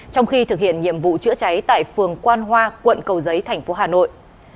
trong khi thực hiện nhiệm vụ chữa cháy tại phường quan hoa quận cầu giấy thành phố hà nội